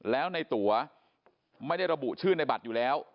แล้วในตัวไม่ได้ระบุชื่อในบัตรอยู่แล้ว